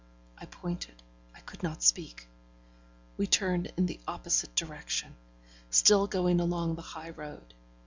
I pointed, I could not speak. We turned in the opposite direction; still going along the high road.